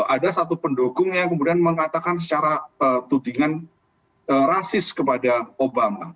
ada satu pendukung yang kemudian mengatakan secara tudingan rasis kepada obama